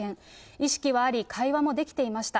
意識はあり、会話もできていました。